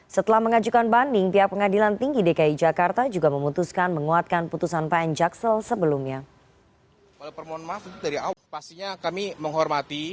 setelah mengajukan banding pihak pengadilan tinggi dki jakarta juga memutuskan menguatkan putusan pn jaksel sebelumnya